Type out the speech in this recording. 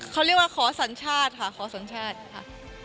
เขาเรียกว่าขอสัญชาติค่ะขอสัญชาติค่ะ